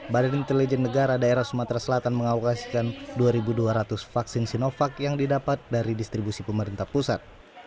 badan intelijen negara daerah sumatera selatan mengawasikan dua dua ratus vaksin sinovac yang didapat dari distribusi pemerintah pusat